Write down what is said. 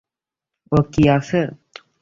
ও কি আছে?